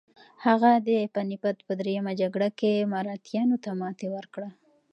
هغه د پاني پت په دریمه جګړه کې مراتیانو ته ماتې ورکړه.